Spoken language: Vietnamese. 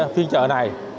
phiên trợ này